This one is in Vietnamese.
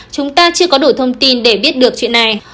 chúng ta chưa có đủ thông tin để biết được chuyện này